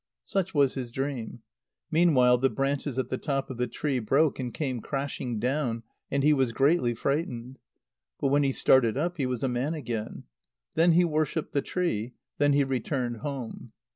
Such was his dream. Meanwhile the branches at the top of the tree broke, and came crashing down, and he was greatly frightened. But when he started up, he was a man again. Then he worshipped the tree. Then he returned home.